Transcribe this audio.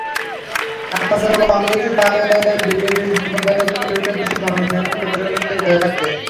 একমাত্র কংগ্রেসই পারে বিজেপির সাম্প্রদায়িকতাকে রুখে দেশের ধর্মনিরপেক্ষ চরিত্রকে ধরে রাখতে।